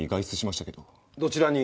どちらに？